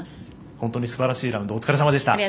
本当にすばらしいラウンドお疲れさまでした。